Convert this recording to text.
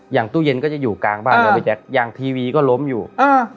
ตู้เย็นก็จะอยู่กลางบ้านนะพี่แจ๊คอย่างทีวีก็ล้มอยู่อ่า